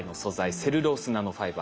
セルロースナノファイバー